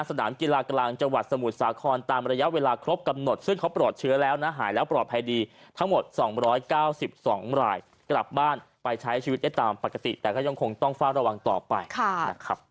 สนามกีฬากลางจังหวัดสมุทรสาครตามระยะเวลาครบกำหนดซึ่งเขาปลอดเชื้อแล้วนะหายแล้วปลอดภัยดีทั้งหมด๒๙๒รายกลับบ้านไปใช้ชีวิตได้ตามปกติแต่ก็ยังคงต้องเฝ้าระวังต่อไปนะครับ